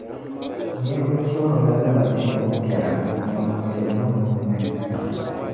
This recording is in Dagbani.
Niriba chibirila lala tim ŋɔ biɛla n-niŋ ninsala niŋgbuŋ ni.